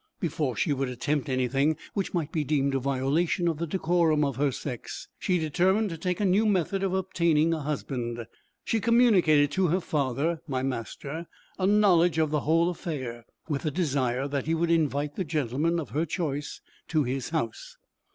Before she would attempt any thing which might be deemed a violation of the decorum of her sex, she determined to take a new method of obtaining a husband. She communicated to her father, my master, a knowledge of the whole affair, with a desire that he would invite the gentleman of her choice to his house.